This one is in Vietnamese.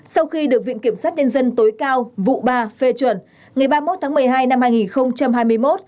sau khi được viện kiểm sát nhân dân tối cao vụ ba phê chuẩn ngày ba mươi một tháng một mươi hai năm hai nghìn hai mươi một